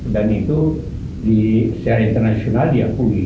dan itu secara internasional diakui